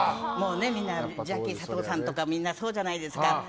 みんなジャッキーさんとかみんなそうじゃないですか。